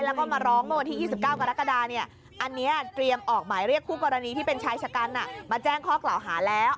แล้วก็มาร้องเมื่อวันที่๒๙กรกฎาเนี่ยอันนี้เตรียมออกหมายเรียกคู่กรณีที่เป็นชายชะกันมาแจ้งข้อกล่าวหาแล้ว